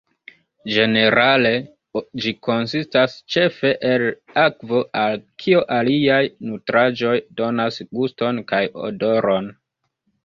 Ĝenerale ĝi konsistas ĉefe el akvo, al kio aliaj nutraĵoj donas guston kaj odoron.